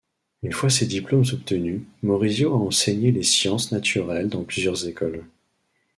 Une fois ses diplômes obtenus, Maurizio a enseigné les sciences naturelles dans plusieurs écoles.